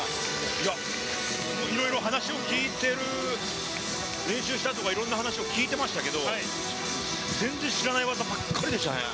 いや、いろいろ話を聞いてる、練習したとかいろんな話を聞いてましたけど、全然知らない技ばっかりでしたね。